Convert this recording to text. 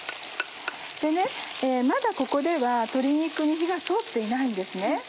まだここでは鶏肉に火が通っていないんです。